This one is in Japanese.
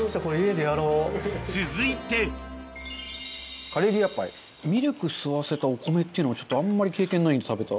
続いてカレリアパイミルク吸わせたお米っていうのちょっとあんまり経験ないんで食べた。